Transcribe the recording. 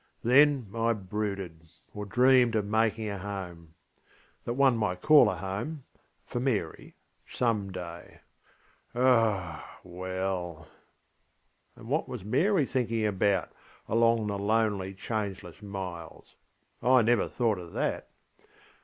Then I brooded, or dreamed of making a homeŌĆöthat one might call a homeŌĆöfor MaryŌĆö some day. Ah, well! ŌĆöŌĆö And what was Mary thinking about, along the lonely, changeless miles? I never thought of that.